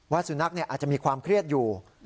สุนัขอาจจะมีความเครียดอยู่